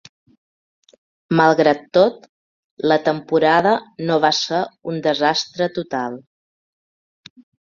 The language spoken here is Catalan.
Malgrat tot, la temporada no va ser un desastre total.